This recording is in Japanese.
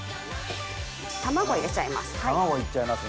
卵入れちゃいます。